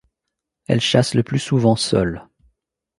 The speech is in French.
Elle chasse le plus souvent seule.